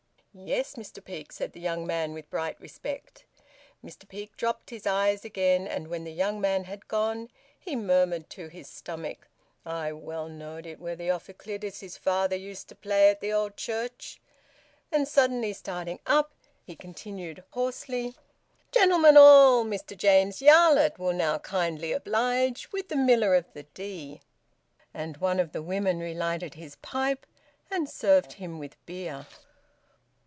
"Yes, Mr Peake," said the young man, with bright respect. Mr Peake dropped his eyes again, and when the young man had gone, he murmured, to his stomach "I well knowed it were th' ophicleide as his father used to play at th' owd church!" And suddenly starting up, he continued hoarsely, "Gentlemen all, Mr James Yarlett will now kindly oblige with `The Miller of the Dee.'" And one of the women relighted his pipe and served him with beer.